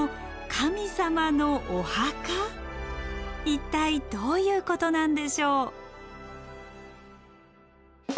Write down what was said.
一体どういうことなんでしょう？